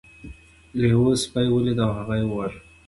لیوه سپی ولید او هغه یې وواژه.